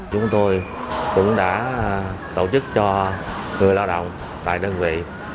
chúng tôi cũng đã tổ chức cho người lao động tại đơn vị